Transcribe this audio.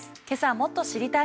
もっと知りたい！